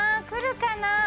くるかな？